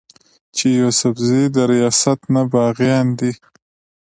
چې يوسفزي د رياست نه باغيان دي